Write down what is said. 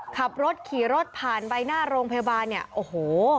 ขับรถขี่รถผ่านใบหน้าโรงพยาบาลเนี่ยโอ้โห